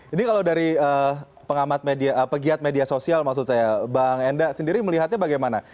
ini kalau dari pegiat media sosial maksud saya bang enda sendiri melihatnya bagaimana